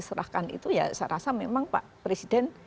serahkan itu ya saya rasa memang pak presiden